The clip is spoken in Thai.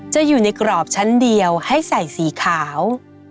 จะอยู่ในกรอบชั้นเดียวให้ใส่สีขาว